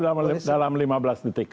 dalam lima belas detik